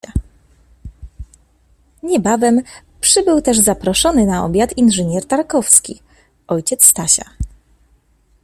Niebawem przybył też zaproszony na obiad inżynier Tarkowski, ojciec Stasia.